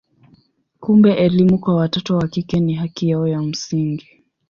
Kumbe elimu kwa watoto wa kike ni haki yao ya msingi.